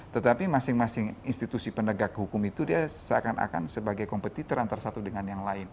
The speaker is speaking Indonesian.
tetapi masing masing institusi penegak hukum itu dia seakan akan sebagai kompetitor antara satu dengan yang lain